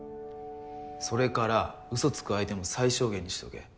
それからうそつく相手も最小限にしておけ。